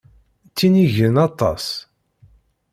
Ttinigen aṭas.